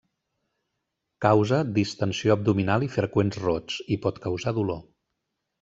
Causa distensió abdominal i freqüents rots i pot causar dolor.